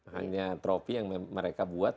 hanya tropi yang mereka buat